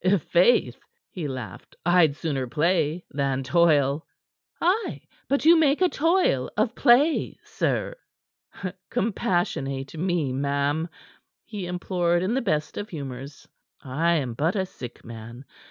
"I'faith," he laughed, "I'd sooner play than toil." "Ay; but you make a toil of play, sir." "Compassionate me, ma'am," he implored in the best of humors. "I am but a sick man.